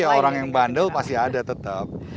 ya orang yang bandel pasti ada tetap